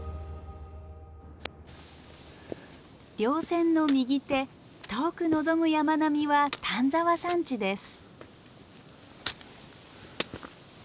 稜線の右手遠く望む山並みは丹沢山地です。